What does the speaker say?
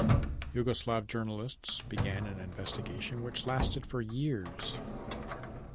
Yugoslav journalists began an investigation which lasted for years.